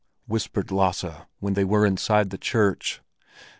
whispered Lasse, when they were inside the church.